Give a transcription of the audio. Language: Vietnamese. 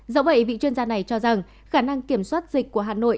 do vậy vị chuyên gia này cho rằng khả năng kiểm soát dịch của hà nội